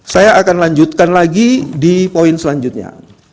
saya akan lanjutkan lagi di poin selanjutnya